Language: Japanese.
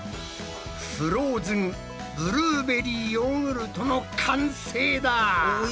フローズンブルーベリーヨーグルトの完成だ！